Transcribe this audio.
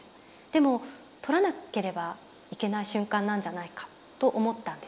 でも撮らなければいけない瞬間なんじゃないかと思ったんです。